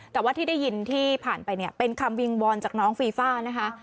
แต่ว่าที่ได้ยินที่ผ่านไปเนี่ยเป็นคำวิงวอนจากน้องฟีฟ่านะคะ